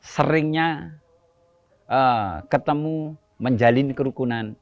seringnya ketemu menjalin kerukunan